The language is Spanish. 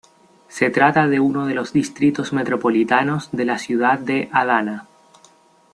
Se trata de uno de los distritos metropolitanos de la ciudad de Adana.